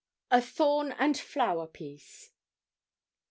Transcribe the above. A 'THORN AND FLOWER PIECE.'